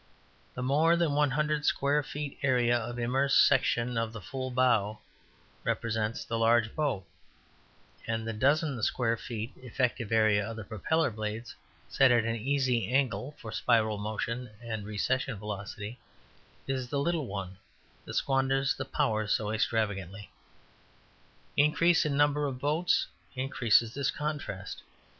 The more than 100 square feet area of immersed section of the full bow represents the large boat, and the dozen square feet effective area of propeller blades, set at an easy angle for spiral motion and recession velocity, is the little one that squanders the power so extravagantly. Increase in number of boats increases this contrast.